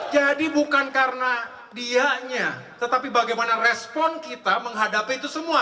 jadi bukan karena dianya tetapi bagaimana respon kita menghadapi itu semua